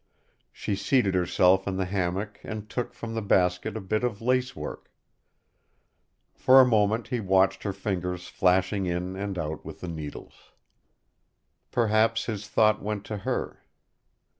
She seated herself in the hammock and took from the basket a bit of lace work. For a moment he watched her fingers flashing in and out with the needles. Perhaps his thought went to her.